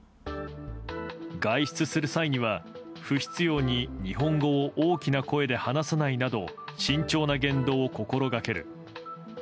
外出する際には、不必要に日本語を大きな声で話さないなど、慎重な言動を心がける。